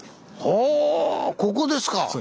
はあここですか。